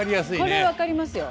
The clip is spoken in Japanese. これ分かりますよ。